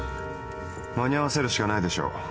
間に合わせるしかないでしょう。